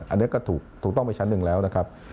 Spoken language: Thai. อันนี้ก็ถูกต้องไปชั้นหนึ่งแล้วนะครับ